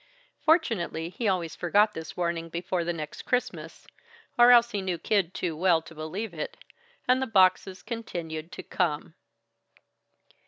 Fortunately he always forgot this warning before the next Christmas or else he knew Kid too well to believe it and the boxes continued to come.